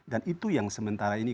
dan itu yang sementara ini